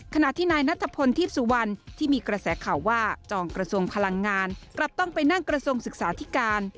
ขณะที่นายนัทพลทีพสุวรรณที่มีกระแสข่าวว่าจองกระทรวงพลังงานกลับต้องไปนั่งกระทรวงศึกษาธิการ